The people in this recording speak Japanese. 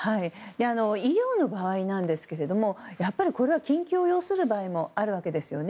医療の場合なんですけどもこれは緊急を要する場合もあるわけですよね。